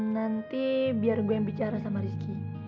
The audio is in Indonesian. nanti biar gue yang bicara sama rizky